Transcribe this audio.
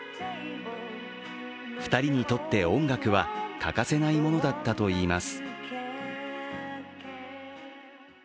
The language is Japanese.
２人にとって、音楽は欠かせないものだったといいます。